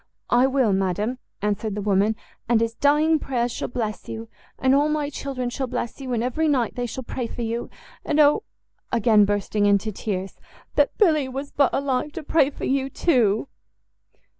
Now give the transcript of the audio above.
"I will, madam," answered the woman, "and his dying prayers shall bless you! and all my children shall bless you, and every night they shall pray for you. And oh!" again bursting into tears, "that Billy was but alive to pray for you too!"